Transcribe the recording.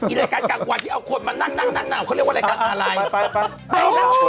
รายการกลางวันที่เอาคนมานั่งนั่งเขาเรียกว่ารายการอะไรไป